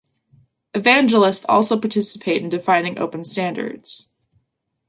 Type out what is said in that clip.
Evangelists also participate in defining open standards.